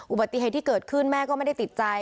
อุบัติเหตุที่เกิดขึ้นแม่ก็ไม่ได้ติดใจ